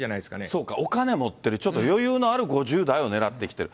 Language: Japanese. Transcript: そうか、お金持ってる、ちょっと余裕のある５０代を狙ってきている。